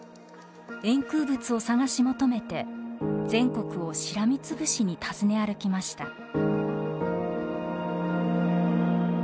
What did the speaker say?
円空仏を探し求めて全国をしらみつぶしに訪ね歩きました。